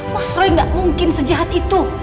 mas roy gak mungkin sejahat itu